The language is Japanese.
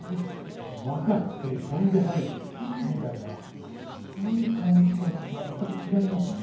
若くて跳んではねてみたいなそういう感じが全く違いますね。